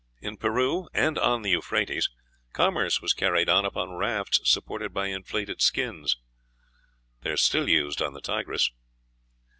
In Peru and on the Euphrates commerce was carried on upon rafts supported by inflated skins. They are still used on the Tigris.